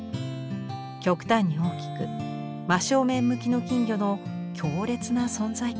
極端に大きく真正面向きの金魚の強烈な存在感。